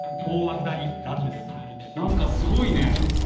何かすごいね。